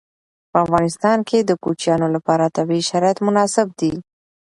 په افغانستان کې د کوچیانو لپاره طبیعي شرایط مناسب دي.